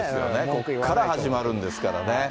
ここから始まるんですからね。